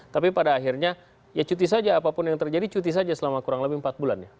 tapi pada akhirnya ya cuti saja apapun yang terjadi cuti saja selama kurang lebih empat bulan ya